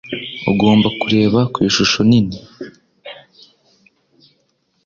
Ugomba kureba ku ishusho nini.